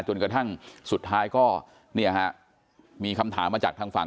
จนกระทั่งสุดท้ายก็เนี่ยฮะมีคำถามมาจากทางฝั่ง